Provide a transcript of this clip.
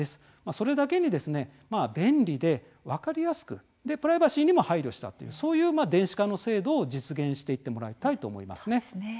それだけに便利で分かりやすくプライバシーにも配慮したそういう電子化の制度を実現していってもらいたいと思います。